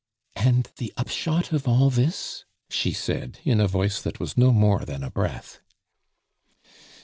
"And the upshot of all this?" she said, in a voice that was no more than a breath.